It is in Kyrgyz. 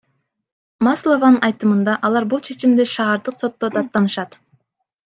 Маслованын айтымында, алар бул чечимди шаардык сотто даттанышат.